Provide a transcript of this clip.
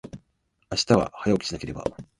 明日は、早起きしなければ。